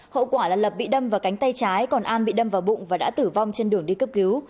hậu quả là lập bị đâm vào cánh tay trái còn an bị đâm vào bụng và đã tử vong trên đường đi cấp cứu